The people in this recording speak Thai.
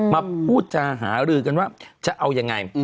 มาพูดจาหารือกันว่าจะเอายังไง